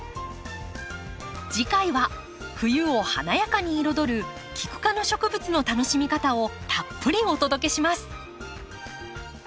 次回は冬を華やかに彩るキク科の植物の楽しみ方をたっぷりお届けします。